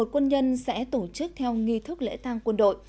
một mươi một quân nhân sẽ tổ chức theo nghi thức lễ tăng quân đội